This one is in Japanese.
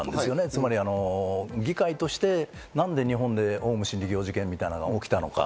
つまり議会としてなんで日本でオウム真理教事件みたいなのが起きたのか。